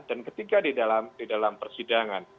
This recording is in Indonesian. dan ketika di dalam persidangan